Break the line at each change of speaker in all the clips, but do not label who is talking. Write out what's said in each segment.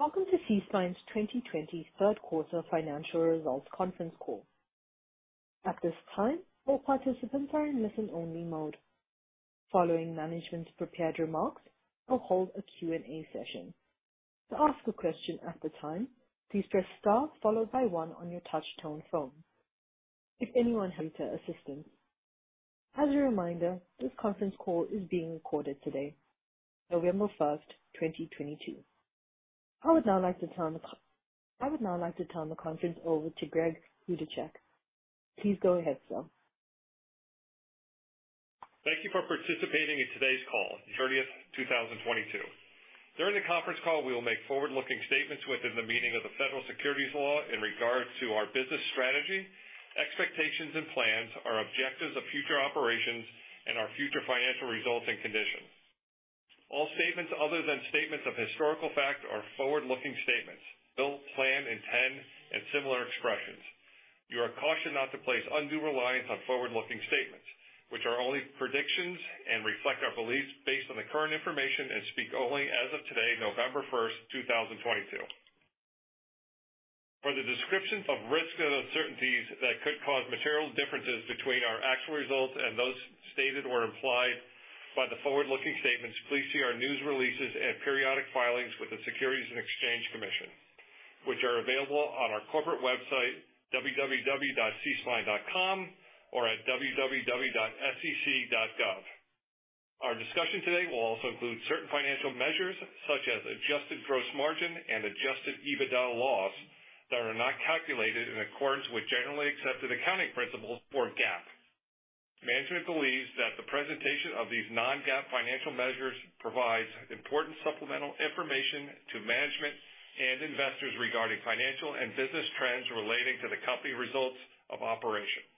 Welcome to SeaSpine's 2023 third quarter financial results conference call. At this time, all participants are in listen-only mode. Following management's prepared remarks, we'll hold a Q&A session. To ask a question at the time, please press star followed by one on your touch tone phone. If anyone needs assistance. As a reminder, this conference call is being recorded today, November 1, 2022. I would now like to turn the conference over to Greg Rudichuk. Please go ahead, sir.
Thank you for participating in today's call, third quarter 2022. During the conference call, we will make forward-looking statements within the meaning of the federal securities laws in regards to our business strategy, expectations and plans, our objectives of future operations and our future financial results and conditions. All statements other than statements of historical fact are forward-looking statements, believe, plan, intend and similar expressions. You are cautioned not to place undue reliance on forward-looking statements, which are only predictions and reflect our beliefs based on the current information and speak only as of today, November 1st, 2022. For the descriptions of risks and uncertainties that could cause material differences between our actual results and those stated or implied by the forward-looking statements, please see our news releases and periodic filings with the Securities and Exchange Commission, which are available on our corporate website, www.seaspine.com, or at www.sec.gov. Our discussion today will also include certain financial measures such as adjusted gross margin and adjusted EBITDA loss that are not calculated in accordance with generally accepted accounting principles or GAAP. Management believes that the presentation of these non-GAAP financial measures provides important supplemental information to management and investors regarding financial and business trends relating to the company's results of operations.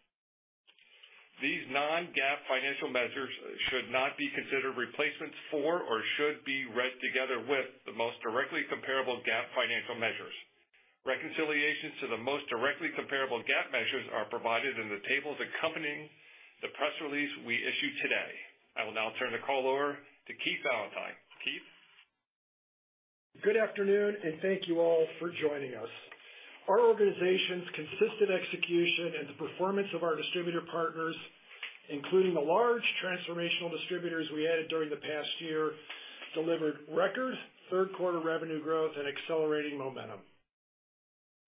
These non-GAAP financial measures should not be considered replacements for, or should be read together with the most directly comparable GAAP financial measures. Reconciliations to the most directly comparable GAAP measures are provided in the tables accompanying the press release we issued today. I will now turn the call over to Keith Valentine. Keith?
Good afternoon, and thank you all for joining us. Our organization's consistent execution and the performance of our distributor partners, including the large transformational distributors we added during the past year, delivered record third quarter revenue growth and accelerating momentum.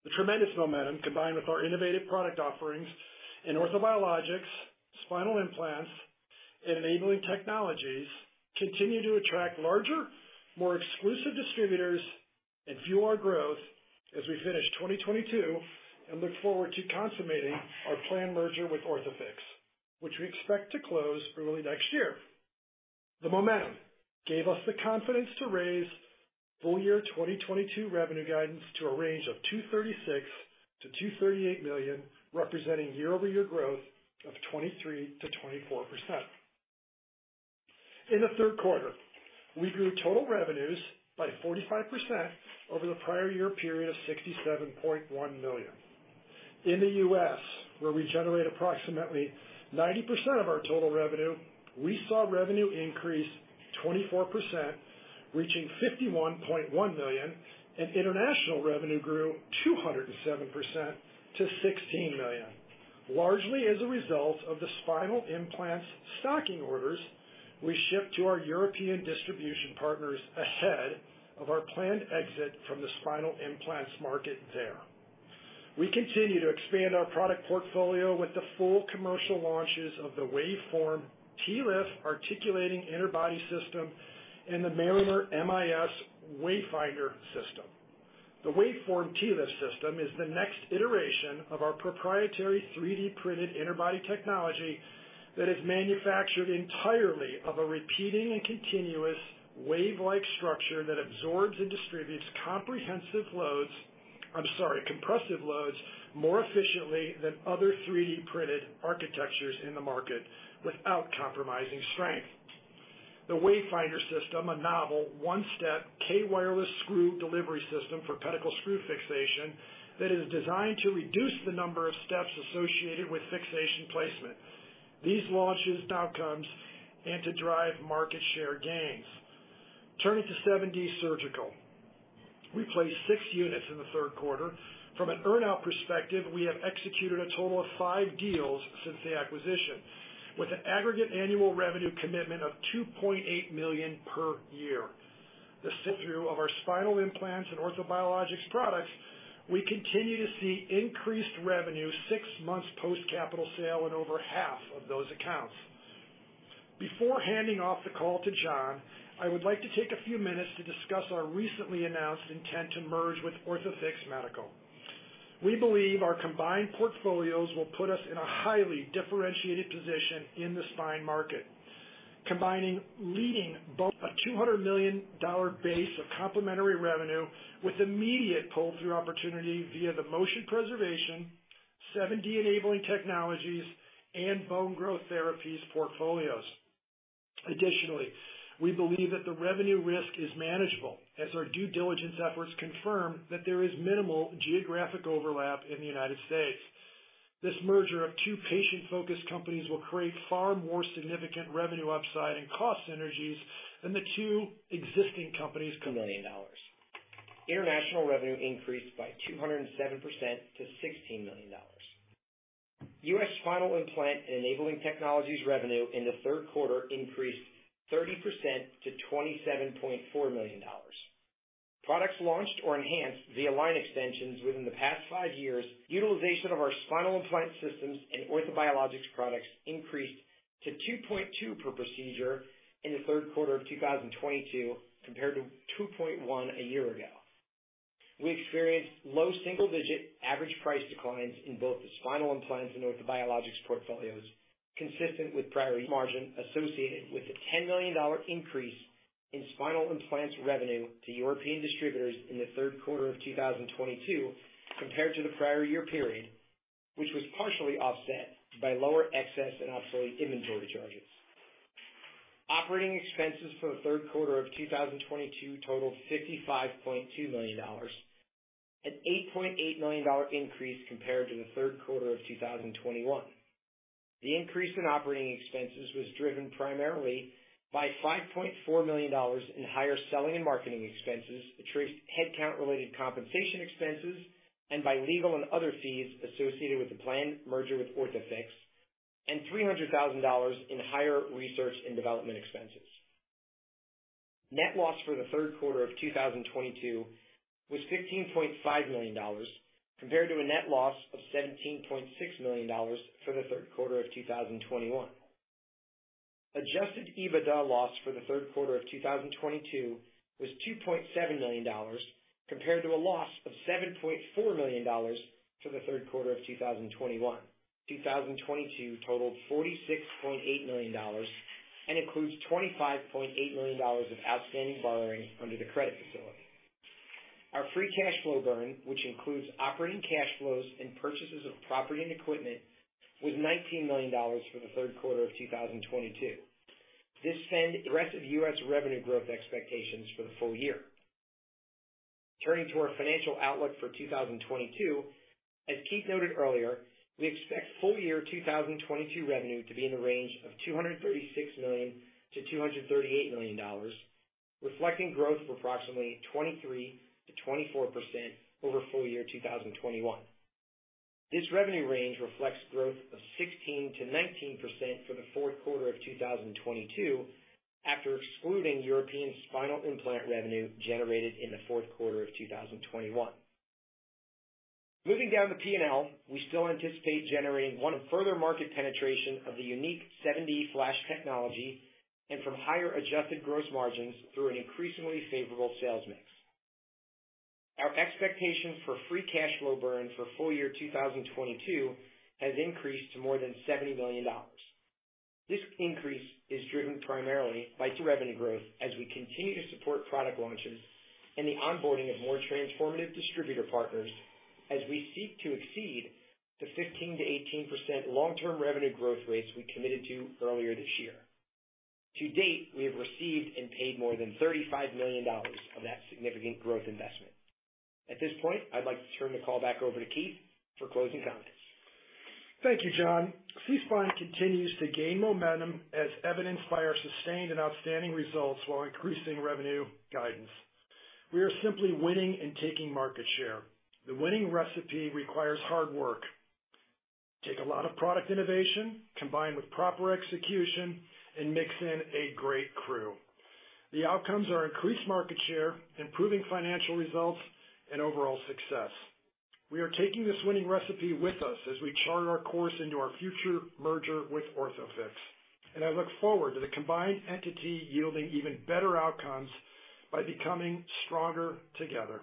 The tremendous momentum, combined with our innovative product offerings in orthobiologics, spinal implants and enabling technologies, continue to attract larger, more exclusive distributors and fuel our growth as we finish 2022 and look forward to consummating our planned merger with Orthofix, which we expect to close early next year. The momentum gave us the confidence to raise full year 2022 revenue guidance to a range of $236 million-$238 million, representing year-over-year growth of 23%-24%. In the third quarter, we grew total revenues by 45% over the prior year period of $67.1 million. In the U.S., where we generate approximately 90% of our total revenue, we saw revenue increase 24%, reaching $51.1 million, and international revenue grew 207% to $16 million. Largely as a result of the spinal implants stocking orders, we ship to our European distribution partners ahead of our planned exit from the spinal implants market there. We continue to expand our product portfolio with the full commercial launches of the WaveForm TA articulating interbody system and the Mariner MIS Wayfinder system. The WaveForm TA system is the next iteration of our proprietary 3D printed interbody technology that is manufactured entirely of a repeating and continuous wave-like structure that absorbs and distributes compressive loads more efficiently than other 3D printed architectures in the market without compromising strength. The Wayfinder system, a novel one-step k-wireless screw delivery system for pedicle screw fixation that is designed to reduce the number of steps associated with fixation placement. These launches improve outcomes and drive market share gains. Turning to 7D Surgical. We placed six units in the third quarter. From an earn-out perspective, we have executed a total of five deals since the acquisition, with an aggregate annual revenue commitment of $2.8 million per year. The sell-through of our spinal implants and orthobiologics products. We continue to see increased revenue six months post-capital sale in over half of those accounts. Before handing off the call to John, I would like to take a few minutes to discuss our recently announced intent to merge with Orthofix Medical. We believe our combined portfolios will put us in a highly differentiated position in the spine market, combining leading both a $200 million base of complementary revenue with immediate pull-through opportunity via the motion preservation, 7D enabling technologies and Bone Growth Therapies portfolios. Additionally, we believe that the revenue risk is manageable, as our due diligence efforts confirm that there is minimal geographic overlap in the United States. This merger of two patient-focused companies will create far more significant revenue upside and cost synergies than the two existing companies combined.
Million dollar. International revenue increased by 207% to $16 million. U.S. spinal implant and enabling technologies revenue in the third quarter increased 30% to $27.4 million. Products launched or enhanced via line extensions within the past five years. Utilization of our spinal implant systems and orthobiologics products increased to 2.2 per procedure in the third quarter of 2022 compared to 2.1 a year ago. We experienced low single-digit average price declines in both the spinal implants and orthobiologics portfolios, consistent with prior. Margin associated with the $10 million increase in spinal implants revenue to European distributors in the third quarter of 2022 compared to the prior year period, which was partially offset by lower excess and obsolete inventory charges. Operating expenses for the third quarter of 2022 totaled $55.2 million, an $8.8 million increase compared to the third quarter of 2021. The increase in operating expenses was driven primarily by $5.4 million in higher selling and marketing expenses, which raised headcount-related compensation expenses and by legal and other fees associated with the planned merger with Orthofix, and $300,000 in higher research and development expenses. Net loss for the third quarter of 2022 was $15.5 million, compared to a net loss of $17.6 million for the third quarter of 2021. Adjusted EBITDA loss for the third quarter of 2022 was $2.7 million, compared to a loss of $7.4 million for the third quarter of 2021. 2022 totaled $46.8 million and includes $25.8 million of outstanding borrowing under the credit facility. Our free cash flow burn, which includes operating cash flows and purchases of property and equipment, was $19 million for the third quarter of 2022. This sets the rest of U.S. revenue growth expectations for the full year. Turning to our financial outlook for 2022, as Keith noted earlier, we expect full year 2022 revenue to be in the range of $236 million-$238 million, reflecting growth of approximately 23%-24% over full year 2021. This revenue range reflects growth of 16%-19% for the fourth quarter of 2022 after excluding European spinal implant revenue generated in the fourth quarter of 2021. Moving down the P&L, we still anticipate higher adjusted gross margins from further market penetration of the unique 7D Flash technology and through an increasingly favorable sales mix. Our expectation for free cash flow burn for full year 2022 has increased to more than $70 million. This increase is driven primarily by 2% revenue growth as we continue to support product launches and the onboarding of more transformative distributor partners as we seek to exceed the 15%-18% long-term revenue growth rates we committed to earlier this year. To date, we have received and paid more than $35 million of that significant growth investment. At this point, I'd like to turn the call back over to Keith for closing comments.
Thank you, John. SeaSpine continues to gain momentum as evidenced by our sustained and outstanding results while increasing revenue guidance. We are simply winning and taking market share. The winning recipe requires hard work. Take a lot of product innovation, combine with proper execution, and mix in a great crew. The outcomes are increased market share, improving financial results, and overall success. We are taking this winning recipe with us as we chart our course into our future merger with Orthofix, and I look forward to the combined entity yielding even better outcomes by becoming stronger together.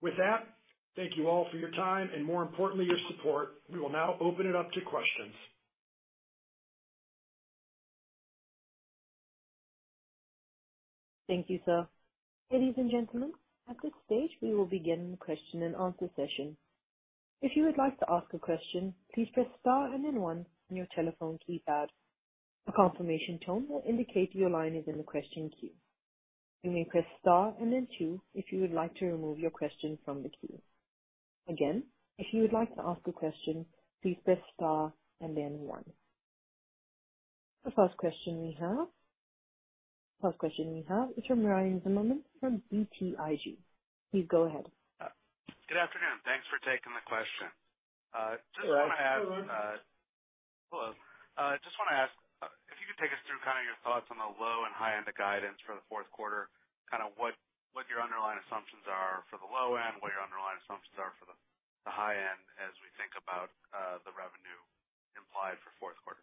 With that, thank you all for your time, and more importantly, your support. We will now open it up to questions.
Thank you, sir. Ladies and gentlemen, at this stage, we will begin the question and answer session. If you would like to ask a question, please press star and then one on your telephone keypad. A confirmation tone will indicate your line is in the question queue. You may press star and then two if you would like to remove your question from the queue. Again, if you would like to ask a question, please press star and then one. The first question we have is from Ryan Zimmerman from BTIG. Please go ahead.
Good afternoon. Thanks for taking the question.
Hello. Hello, everyone.
Hello. Just wanna ask if you could take us through kind of your thoughts on the low and high end of guidance for the fourth quarter, kind of what your underlying assumptions are for the low end, what your underlying assumptions are for the high end as we think about the revenue implied for fourth quarter.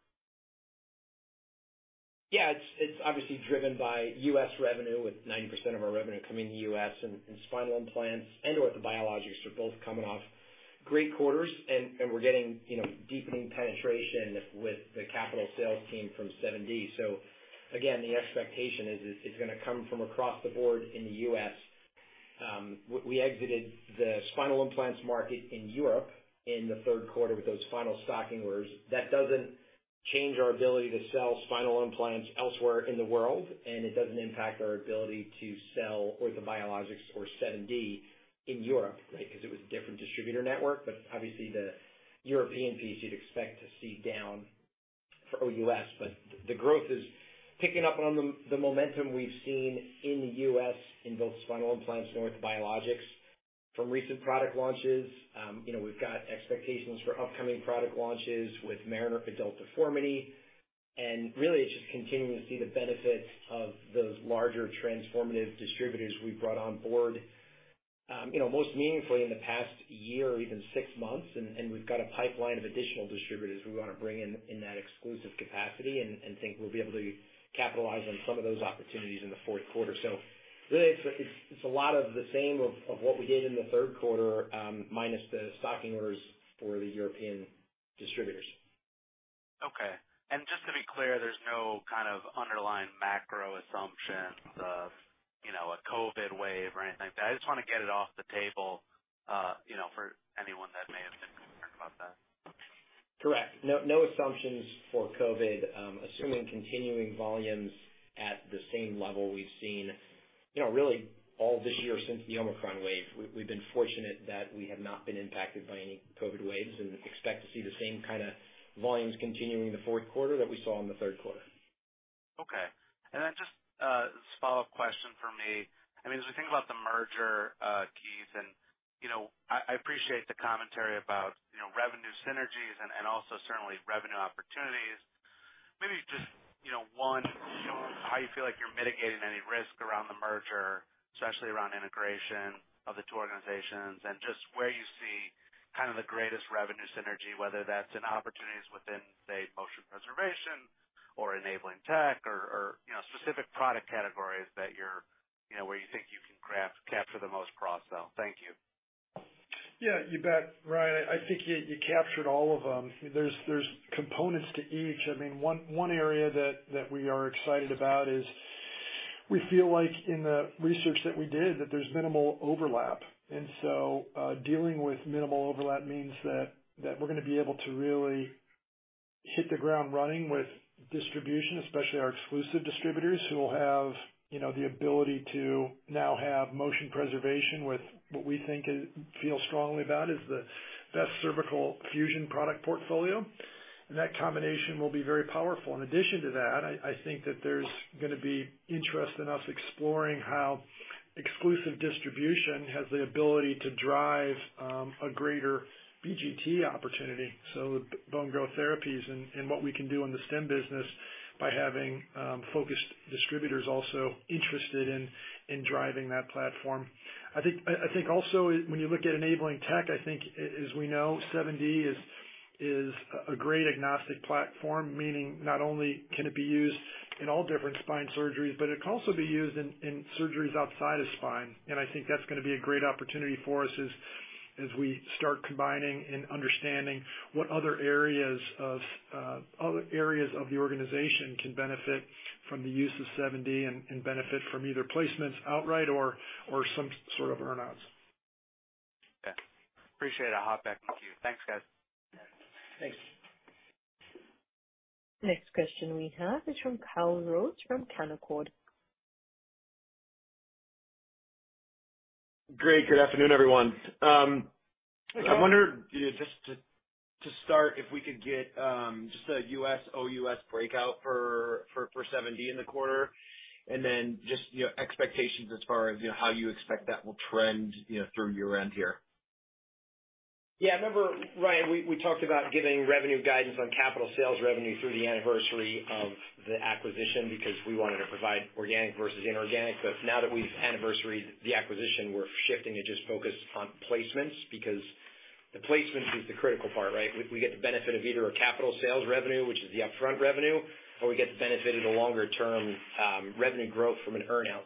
Yeah, it's obviously driven by U.S. revenue, with 90% of our revenue coming in the U.S. Spinal implants and orthobiologics are both coming off great quarters, and we're getting, you know, deepening penetration with the capital sales team from 7D. Again, the expectation is it's gonna come from across the board in the U.S. We exited the spinal implants market in Europe in the third quarter with those final stocking orders. That doesn't change our ability to sell spinal implants elsewhere in the world, and it doesn't impact our ability to sell orthobiologics or 7D in Europe, right? Because it was a different distributor network. Obviously, the European piece you'd expect to see down for OUS. The growth is picking up on the momentum we've seen in the U.S. in both spinal implants and orthobiologics from recent product launches. You know, we've got expectations for upcoming product launches with Mariner for adult deformity, and really it's just continuing to see the benefits of those larger transformative distributors we brought on board, you know, most meaningfully in the past year or even six months. We've got a pipeline of additional distributors we wanna bring in that exclusive capacity and think we'll be able to capitalize on some of those opportunities in the fourth quarter. Really it's a lot of the same of what we did in the third quarter, minus the stocking orders for the European distributors.
Okay. Just to be clear, there's no kind of underlying macro assumption of, you know, a COVID wave or anything like that. I just wanna get it off the table, you know, for anyone that may have been concerned about that.
Correct. No, no assumptions for COVID. Assuming continuing volumes at the same level we've seen, you know, really all this year since the Omicron wave. We've been fortunate that we have not been impacted by any COVID waves and expect to see the same kinda volumes continuing in the fourth quarter that we saw in the third quarter.
Okay. Just a follow-up question from me. I mean, as we think about the merger, Keith, and you know, I appreciate the commentary about, you know, revenue synergies and also certainly revenue opportunities. Maybe just, you know, one, how you feel like you're mitigating any risk around the merger, especially around integration of the two organizations and just where you see kind of the greatest revenue synergy, whether that's in opportunities within, say, motion preservation or enabling tech or, you know, specific product categories that you're, you know, where you think you can capture the most cross-sell. Thank you.
Yeah, you bet, Ryan. I think you captured all of them. There's components to each. I mean, one area that we are excited about is we feel like in the research that we did, that there's minimal overlap. Dealing with minimal overlap means that we're gonna be able to really hit the ground running with distribution, especially our exclusive distributors, who will have, you know, the ability to now have motion preservation with what we feel strongly about is the best cervical fusion product portfolio. That combination will be very powerful. In addition to that, I think that there's gonna be interest in us exploring how exclusive distribution has the ability to drive a greater BGT opportunity, so bone growth therapies and what we can do in the stim business by having focused distributors also interested in driving that platform. I think also when you look at enabling tech, I think as we know, 7D is a great agnostic platform, meaning not only can it be used in all different spine surgeries, but it can also be used in surgeries outside of spine. I think that's gonna be a great opportunity for us as we start combining and understanding what other areas of the organization can benefit from the use of 7D and benefit from either placements outright or some sort of earn outs.
Okay. Appreciate it. I'll hop back with you. Thanks, guys.
Thanks.
Next question we have is from Kyle Rose from Canaccord Genuity.
Great. Good afternoon, everyone.
Hello.
I wonder just to start if we could get just a U.S., OUS breakout for 7D in the quarter and then just, you know, expectations as far as, you know, how you expect that will trend, you know, through year-end here.
Yeah, I remember, Ryan, we talked about giving revenue guidance on capital sales revenue through the anniversary of the acquisition because we wanted to provide organic versus inorganic. Now that we've anniversaried the acquisition, we're shifting to just focus on placements, because the placements is the critical part, right? We get the benefit of either a capital sales revenue, which is the upfront revenue, or we get the benefit of the longer term, revenue growth from an earn out.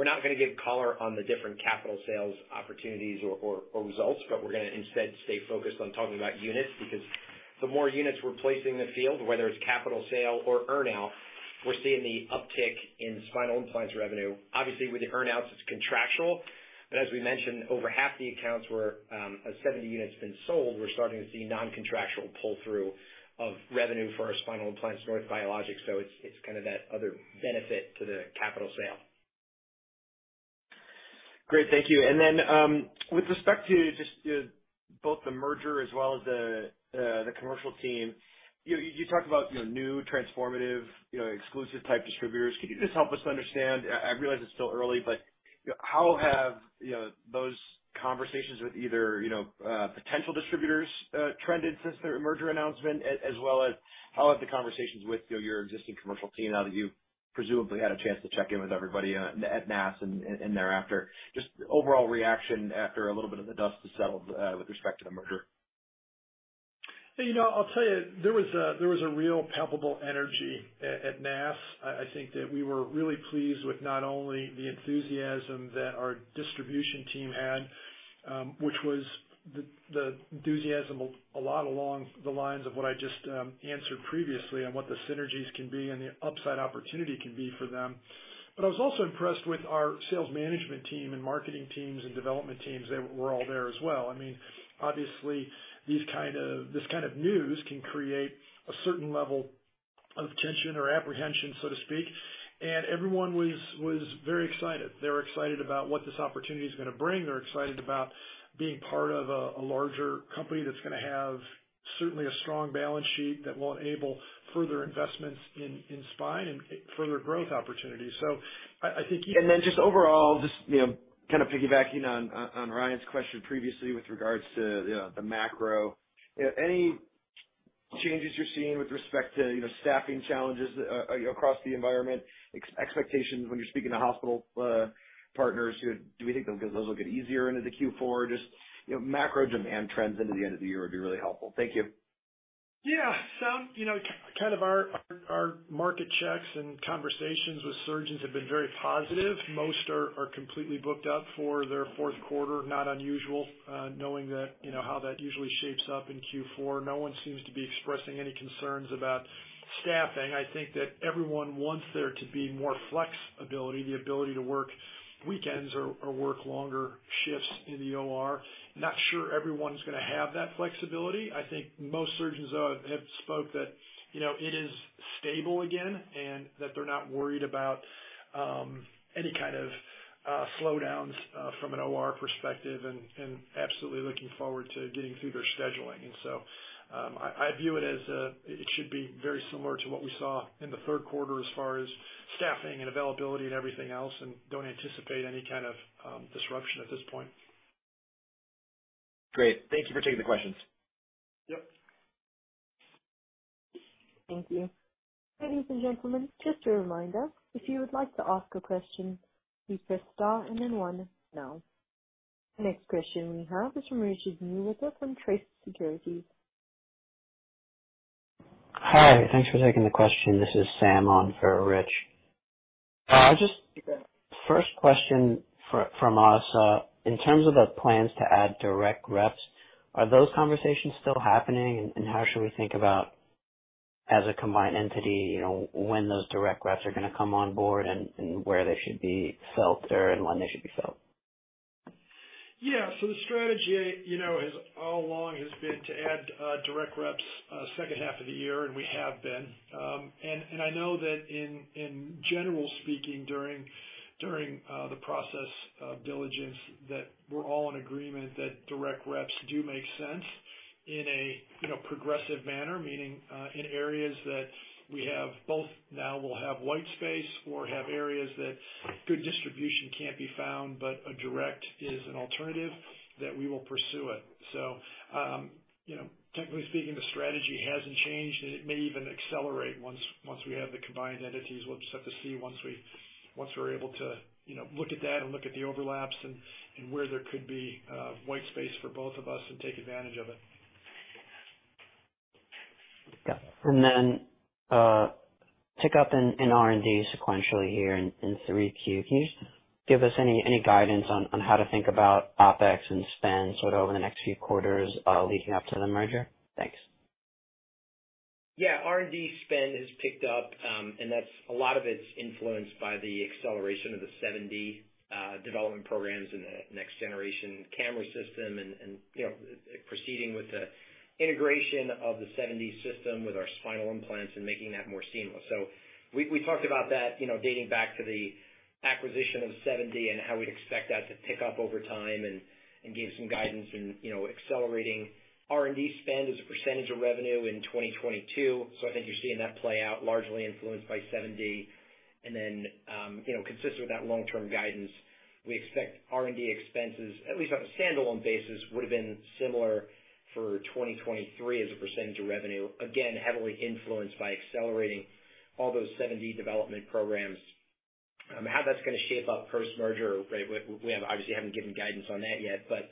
We're not gonna give color on the different capital sales opportunities or results, but we're gonna instead stay focused on talking about units, because the more units we're placing in the field, whether it's capital sale or earn out, we're seeing the uptick in spinal implants revenue. Obviously, with the earn outs, it's contractual. As we mentioned, over half the accounts where a 7D unit's been sold, we're starting to see non-contractual pull through of revenue for our spinal implants and orthobiologics. It's kind of that other benefit to the capital sale.
Great. Thank you. Then, with respect to just, both the merger as well as the commercial team, you talked about, you know, new transformative, you know, exclusive type distributors. Can you just help us understand, I realize it's still early, but, you know, how have, you know, those conversations with either, you know, potential distributors, trended since the merger announcement, as well as how have the conversations with, you know, your existing commercial team now that you've presumably had a chance to check in with everybody, at NASS and thereafter? Just overall reaction after a little bit of the dust has settled, with respect to the merger.
You know, I'll tell you, there was a real palpable energy at NASS. I think that we were really pleased with not only the enthusiasm that our distribution team had, which was the enthusiasm a lot along the lines of what I just answered previously on what the synergies can be and the upside opportunity can be for them. But I was also impressed with our sales management team and marketing teams and development teams that were all there as well. I mean, obviously this kind of news can create a certain level of tension or apprehension, so to speak. Everyone was very excited. They're excited about what this opportunity is gonna bring. They're excited about being part of a larger company that's gonna have certainly a strong balance sheet that will enable further investments in spine and further growth opportunities. I think.
Just overall, just, you know, kind of piggybacking on Ryan's question previously with regards to, you know, the macro. Any changes you're seeing with respect to, you know, staffing challenges across the environment, expectations when you're speaking to hospital partners? Do you think those will get easier into the Q4? Just, you know, macro demand trends into the end of the year would be really helpful. Thank you.
Yeah. Some kind of our market checks and conversations with surgeons have been very positive. Most are completely booked up for their fourth quarter. Not unusual, knowing that how that usually shapes up in Q4. No one seems to be expressing any concerns about staffing. I think that everyone wants there to be more flexibility, the ability to work weekends or work longer shifts in the OR. Not sure everyone's gonna have that flexibility. I think most surgeons have spoke that it is stable again, and that they're not worried about any kind of slowdowns from an OR perspective and absolutely looking forward to getting through their scheduling. I view it as it should be very similar to what we saw in the third quarter as far as staffing and availability and everything else, and don't anticipate any kind of disruption at this point.
Great. Thank you for taking the questions.
Yep.
Thank you. Ladies and gentlemen, just a reminder, if you would like to ask a question, please press star and then one now. The next question we have is from Richard Newitter with Truist Securities.
Hi, thanks for taking the question. This is Sam on for Rich. Just first question from us. In terms of the plans to add direct reps, are those conversations still happening? How should we think about as a combined entity, you know, when those direct reps are gonna come on board and where they should be felt there and when they should be felt?
Yeah. The strategy, you know, has all along been to add direct reps second half of the year, and we have been. I know that generally speaking, during the process of due diligence, that we're all in agreement that direct reps do make sense in a, you know, progressive manner. Meaning, in areas that we both now will have white space or have areas that good distribution can't be found, but a direct is an alternative that we will pursue it. You know, technically speaking, the strategy hasn't changed. It may even accelerate once we have the combined entities. We'll just have to see once we're able to, you know, look at that and look at the overlaps and where there could be white space for both of us and take advantage of it.
Yeah. Pick up in R&D sequentially here in 3Q. Can you just give us any guidance on how to think about OpEx and spend sort of over the next few quarters, leading up to the merger? Thanks.
Yeah. R&D spend has picked up, and that's a lot of it influenced by the acceleration of the 7D development programs and the next generation camera system and, you know, proceeding with the integration of the 7D system with our spinal implants and making that more seamless. We talked about that, you know, dating back to the acquisition of 7D and how we'd expect that to pick up over time and gave some guidance in, you know, accelerating R&D spend as a percentage of revenue in 2022. I think you're seeing that play out largely influenced by 7D. You know, consistent with that long-term guidance, we expect R&D expenses, at least on a standalone basis, would've been similar for 2023 as a percentage of revenue. Again, heavily influenced by accelerating all those 7D development programs. How that's gonna shape up post-merger, right? We obviously haven't given guidance on that yet, but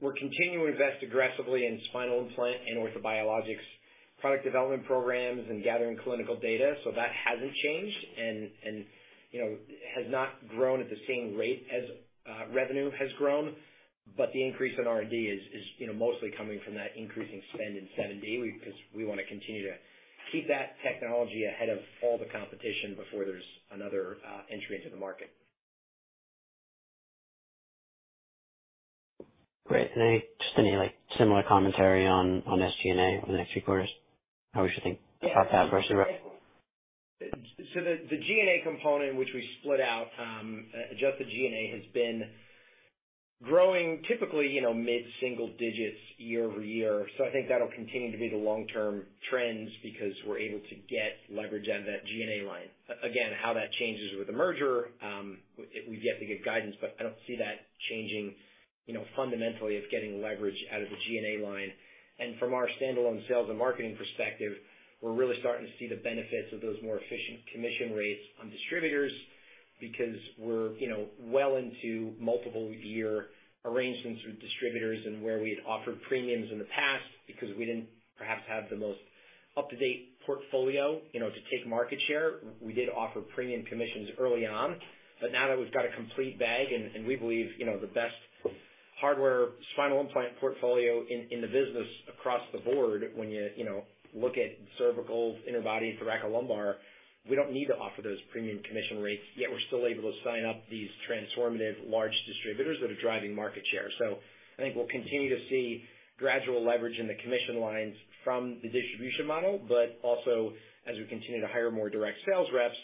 we're continuing to invest aggressively in spinal implant and orthobiologics product development programs and gathering clinical data. That hasn't changed and, you know, has not grown at the same rate as revenue has grown. The increase in R&D is, you know, mostly coming from that increasing spend in 7D because we want to continue to keep that technology ahead of all the competition before there's another entry into the market.
Great. Any, just any, like, similar commentary on SG&A over the next few quarters? How we should think about that versus the rest?
The G&A component, which we split out, adjusted G&A has been growing typically, you know, mid-single digits year-over-year. I think that'll continue to be the long-term trends because we're able to get leverage out of that G&A line. Again, how that changes with the merger, we've yet to give guidance, but I don't see that changing, you know, fundamentally of getting leverage out of the G&A line. From our standalone sales and marketing perspective, we're really starting to see the benefits of those more efficient commission rates on distributors because we're, you know, well into multiple year arrangements with distributors and where we had offered premiums in the past because we didn't perhaps have the most up-to-date portfolio, you know, to take market share. We did offer premium commissions early on, but now that we've got a complete bag and we believe, you know, the best hardware spinal implant portfolio in the business across the board, when you know, look at cervical, interbody, thoracic lumbar, we don't need to offer those premium commission rates, yet we're still able to sign up these transformative large distributors that are driving market share. I think we'll continue to see gradual leverage in the commission lines from the distribution model, but also as we continue to hire more direct sales reps.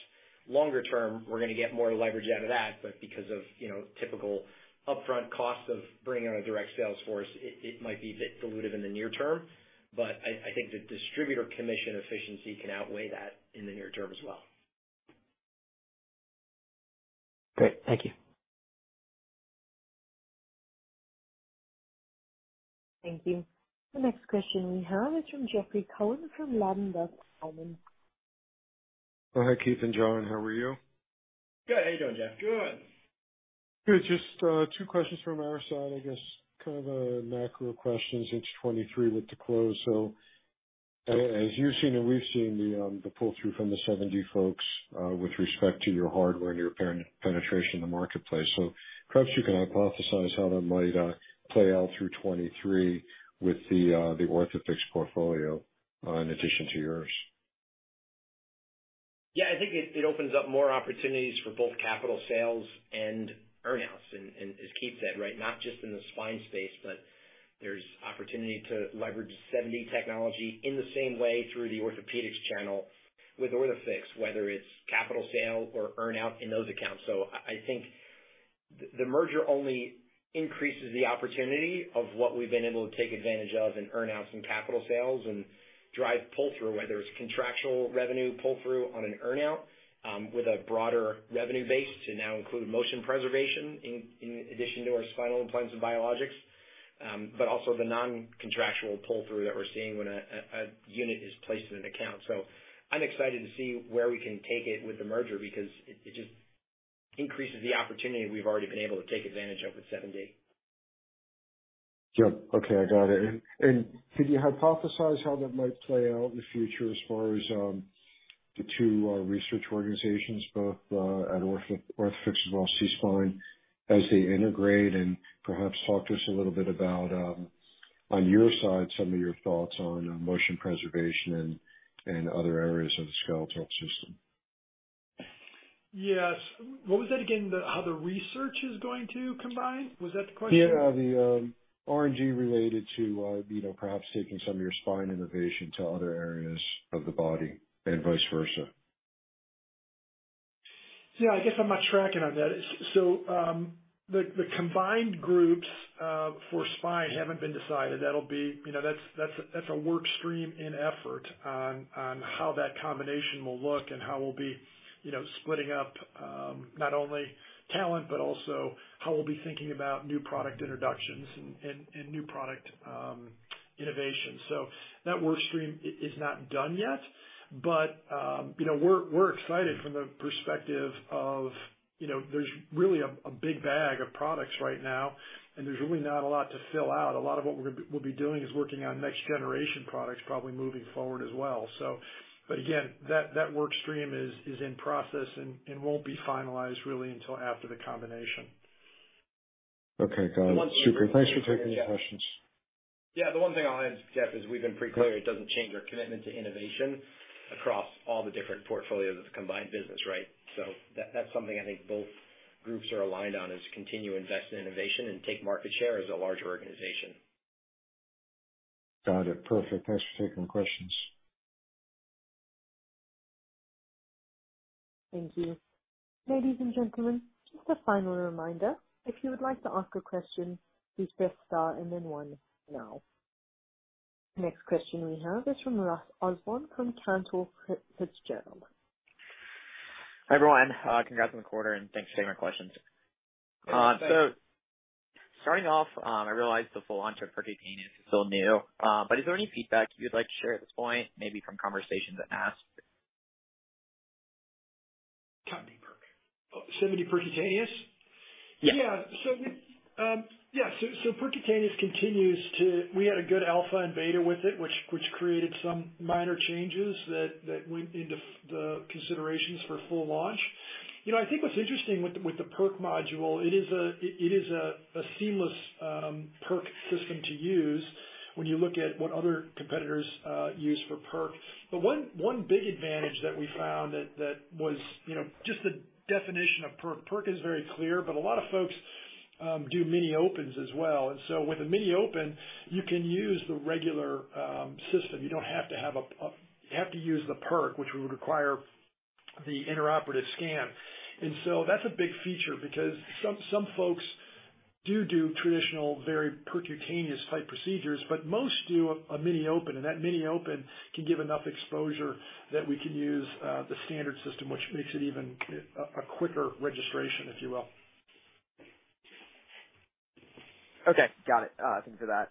Longer term, we're gonna get more leverage out of that, but because of, you know, typical upfront costs of bringing our direct sales force, it might be a bit dilutive in the near term, but I think the distributor commission efficiency can outweigh that in the near term as well.
Great. Thank you.
Thank you. The next question we have is from Jeffrey Cohen from Ladenburg Thalmann.
Oh, hi, Keith and John. How are you?
Good. How you doing, Jeff?
Good.
Good. Just, two questions from our side. I guess kind of a macro question since 2023 with the close. As you've seen and we've seen the pull-through from the 7D folks with respect to your hardware and your penetration in the marketplace. Perhaps you can hypothesize how that might play out through 2023 with the Orthofix portfolio in addition to yours.
Yeah. I think it opens up more opportunities for both capital sales and earn outs and as Keith said, right, not just in the spine space, but there's opportunity to leverage 7D technology in the same way through the orthopedics channel with Orthofix, whether it's capital sale or earn out in those accounts. I think the merger only increases the opportunity of what we've been able to take advantage of in earn outs and capital sales and drive pull-through, whether it's contractual revenue pull-through on an earn out with a broader revenue base to now include motion preservation in addition to our spinal implants and biologics. Also the non-contractual pull-through that we're seeing when a unit is placed in an account. I'm excited to see where we can take it with the merger because it just increases the opportunity we've already been able to take advantage of with 7D.
Sure. Okay. I got it. Could you hypothesize how that might play out in the future as far as the two research organizations both at Orthofix as well as SeaSpine as they integrate? Perhaps talk to us a little bit about on your side some of your thoughts on motion preservation and other areas of the skeletal system.
Yes. What was that again? The how the research is going to combine? Was that the question?
Yeah, the R&D related to, you know, perhaps taking some of your Spine innovation to other areas of the body and vice versa.
Yeah. I guess I'm not tracking on that. The combined groups for Spine haven't been decided. That'll be you know, that's a work stream and effort on how that combination will look and how we'll be, you know, splitting up not only talent, but also how we'll be thinking about new product introductions and new product innovation. That work stream is not done yet. You know, we're excited from the perspective of, you know, there's really a big bag of products right now, and there's really not a lot to fill out. A lot of what we'll be doing is working on next generation products probably moving forward as well. Again, that work stream is in process and won't be finalized really until after the combination.
Okay. Got it.
The one thing.
Super. Thanks for taking the questions.
Yeah. The one thing I'll add, Jeff, is we've been pretty clear it doesn't change our commitment to innovation across all the different portfolios of the combined business, right? That's something I think both groups are aligned on, is continue to invest in innovation and take market share as a larger organization.
Got it. Perfect. Thanks for taking the questions.
Thank you. Ladies and gentlemen, just a final reminder. If you would like to ask a question, please press star and then one now. Next question we have is from Ross Osborn from Cantor Fitzgerald.
Hi, everyone. Congrats on the quarter and thanks for taking our questions.
Thanks.
Starting off, I realize the full launch of percutaneous is still new. Is there any feedback you'd like to share at this point, maybe from conversations at NASS?
Copy. Oh, 7D percutaneous?
Yeah.
We had a good alpha and beta with it, which created some minor changes that went into the considerations for full launch. You know, I think what's interesting with the PERC module. It is a seamless PERC system to use when you look at what other competitors use for PERC. One big advantage that we found that was, you know, just the definition of PERC. PERC is very clear, but a lot of folks do mini opens as well. With a mini open, you can use the regular system. You have to use the PERC, which would require the intraoperative scan. That's a big feature because some folks do traditional, very percutaneous type procedures, but most do a mini open, and that mini open can give enough exposure that we can use the standard system, which makes it even a quicker registration, if you will.
Okay. Got it. Thank you for that.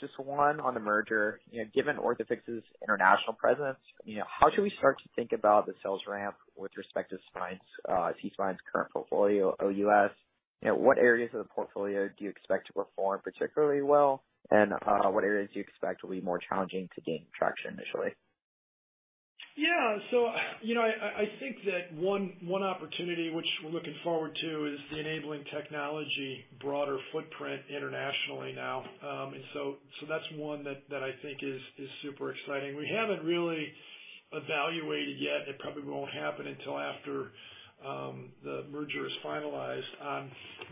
Just one on the merger. You know, given Orthofix's international presence, you know, how should we start to think about the sales ramp with respect to SeaSpine's current portfolio OUS? You know, what areas of the portfolio do you expect to perform particularly well? What areas do you expect will be more challenging to gain traction initially?
Yeah. You know, I think that one opportunity which we're looking forward to is the enabling technology broader footprint internationally now. That's one that I think is super exciting. We haven't really evaluated yet. It probably won't happen until after The merger is finalized.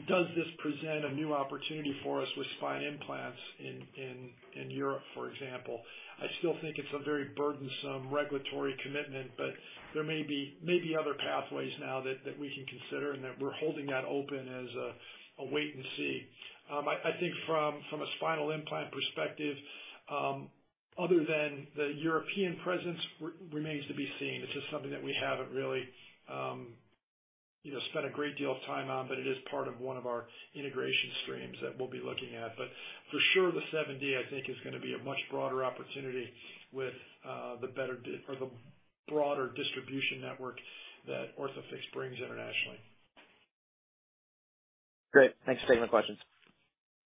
Does this present a new opportunity for us with spine implants in Europe, for example? I still think it's a very burdensome regulatory commitment, but there may be other pathways now that we can consider, and that we're holding that open as a wait and see. I think from a spinal implant perspective, other than the European presence remains to be seen. It's just something that we haven't really, you know, spent a great deal of time on, but it is part of one of our integration streams that we'll be looking at. For sure, the 7D, I think is gonna be a much broader opportunity with the broader distribution network that Orthofix brings internationally.
Great. Thanks for taking the questions.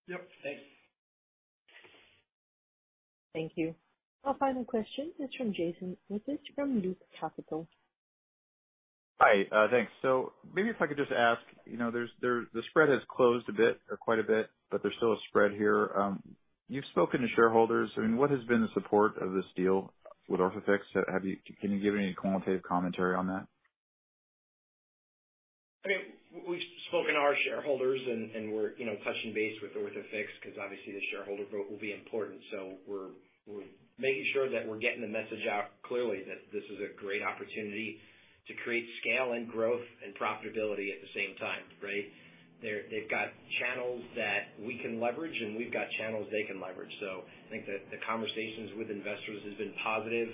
Yep.
Thanks.
Thank you. Our final question is from Jason Wiederhorn from Loop Capital.
Hi, thanks. Maybe if I could just ask, you know, there's the spread has closed a bit or quite a bit, but there's still a spread here. You've spoken to shareholders. I mean, what has been the support of this deal with Orthofix? Can you give any quantitative commentary on that?
I mean, we've spoken to our shareholders and we're, you know, touching base with Orthofix because obviously the shareholder vote will be important. We're making sure that we're getting the message out clearly that this is a great opportunity to create scale and growth and profitability at the same time, right? They've got channels that we can leverage, and we've got channels they can leverage. I think the conversations with investors has been positive.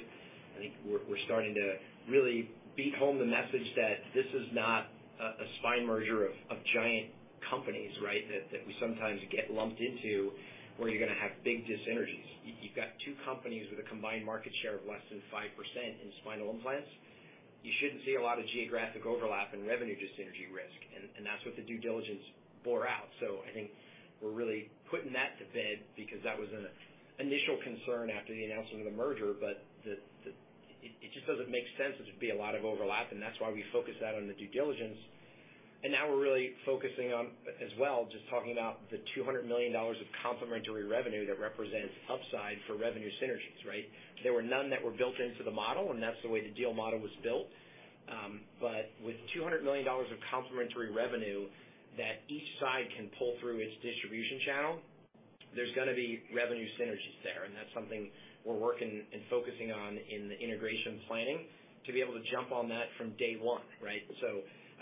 I think we're starting to really hammer home the message that this is not a spine merger of giant companies, right? That we sometimes get lumped into where you're gonna have big dyssynergies. You've got two companies with a combined market share of less than 5% in spinal implants. You shouldn't see a lot of geographic overlap and revenue dis-synergy risk, and that's what the due diligence bore out. I think we're really putting that to bed because that was an initial concern after the announcement of the merger. It just doesn't make sense that there'd be a lot of overlap, and that's why we focused that on the due diligence. Now we're really focusing on as well, just talking about the $200 million of complementary revenue that represents upside for revenue synergies, right? There were none that were built into the model, and that's the way the deal model was built. With $200 million of complementary revenue that each side can pull through its distribution channel, there's gonna be revenue synergies there. That's something we're working and focusing on in the integration planning to be able to jump on that from day one, right?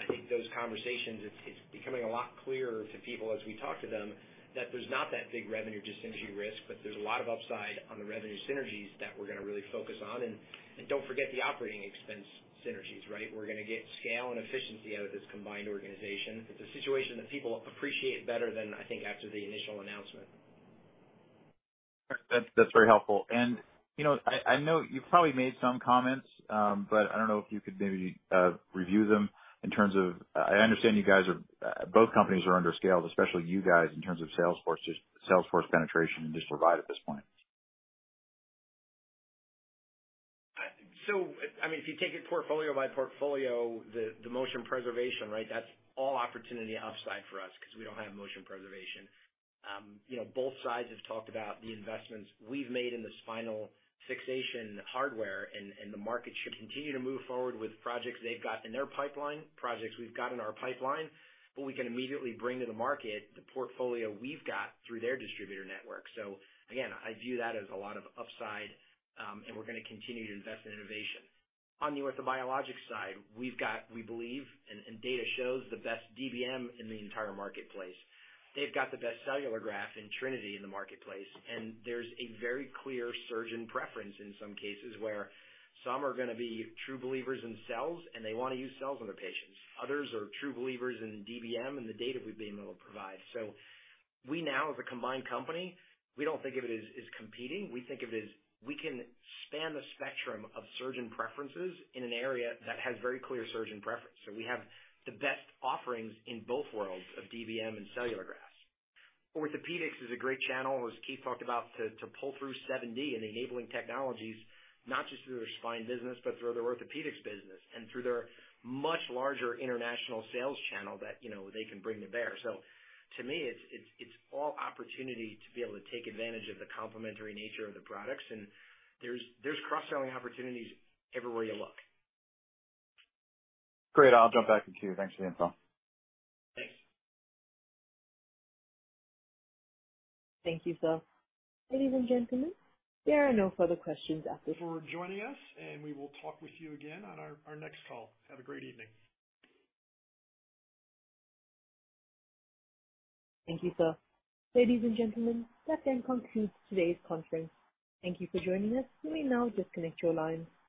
I think those conversations, it's becoming a lot clearer to people as we talk to them that there's not that big revenue dis-synergy risk, but there's a lot of upside on the revenue synergies that we're gonna really focus on. Don't forget the operating expense synergies, right? We're gonna get scale and efficiency out of this combined organization. It's a situation that people appreciate better than I think after the initial announcement.
That's very helpful. You know, I know you've probably made some comments, but I don't know if you could maybe review them in terms of, I understand you guys, both companies are underscaled, especially you guys, in terms of sales forces, sales force penetration and distribution at this point.
I mean, if you take it portfolio by portfolio, the motion preservation, right? That's all opportunity upside for us 'cause we don't have motion preservation. You know, both sides have talked about the investments we've made in the spinal fixation hardware and the market should continue to move forward with projects they've got in their pipeline, projects we've got in our pipeline. But we can immediately bring to the market the portfolio we've got through their distributor network. I view that as a lot of upside, and we're gonna continue to invest in innovation. On the orthobiologic side, we've got, we believe, and data shows the best DBM in the entire marketplace. They've got the best cellular graft in Trinity in the marketplace, and there's a very clear surgeon preference in some cases where some are gonna be true believers in cells, and they wanna use cells on their patients. Others are true believers in DBM and the data we've been able to provide. We now, as a combined company, we don't think of it as competing. We think of it as we can span the spectrum of surgeon preferences in an area that has very clear surgeon preference. We have the best offerings in both worlds of DBM and cellular grafts. Orthopedics is a great channel, as Keith talked about, to pull through 7D and the enabling technologies, not just through their spine business but through their orthopedics business and through their much larger international sales channel that, you know, they can bring to bear. To me, it's all opportunity to be able to take advantage of the complementary nature of the products. There's cross-selling opportunities everywhere you look.
Great. I'll jump back in queue. Thanks for the info.
Thanks.
Thank you, sir. Ladies and gentlemen, there are no further questions at this.
Thank you for joining us, and we will talk with you again on our next call. Have a great evening.
Thank you, sir. Ladies and gentlemen, that then concludes today's conference. Thank you for joining us. You may now disconnect your lines.